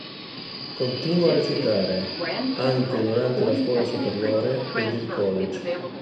Continua a recitare anche durante la scuola superiore ed il college.